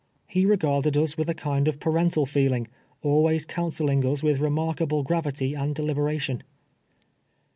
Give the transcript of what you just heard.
lie rei^arded us with a kind of parental feeling, always counseling us with remarkable gravity and delibe ration.